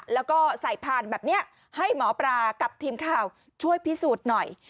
แล้วก็ใส่พานแบบนี้ให้หมอปลากับทีมข่าวช่วยพิสูจน์หน่อย